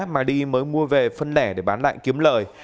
mà đi mới mua về phân lẻ để bán lại kiếm lời